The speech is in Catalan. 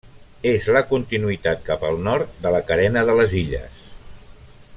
És la continuïtat cap al nord de la Carena de les Illes.